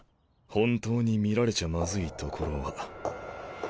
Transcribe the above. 本当に見られちゃまずい所は。